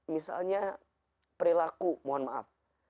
misalnya perilaku mohon maaf